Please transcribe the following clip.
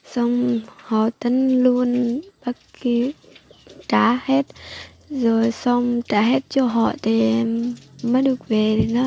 xong họ tấn luôn bất cứ trả hết rồi xong trả hết cho họ thì mới được về